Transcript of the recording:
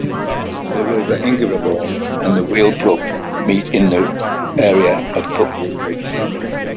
The River Ingrebourne and the Weald Brook meet in the area of Putwell Bridge.